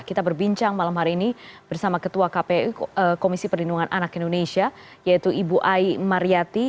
kita berbincang malam hari ini bersama ketua kpu komisi perlindungan anak indonesia yaitu ibu ai mariyati